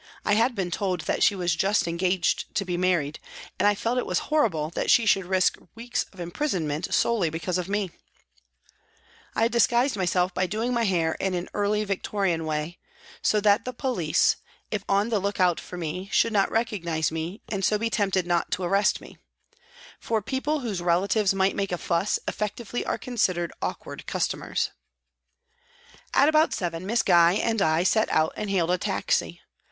I had been told that she was just engaged to be married, and I felt it was horrible that she should risk weeks of imprisonment solely because of me. I had disguised myself by doing my hair in an early Victorian way, so that the police, if on the look out for me, should not recognise me and so be tempted not to arrest me ; for people whose rela tives might make a fuss effectively are considered awkward customers. D 2 36 PRISONS AND PRISONERS At about seven Miss Gye and I set out and hailed a taxi.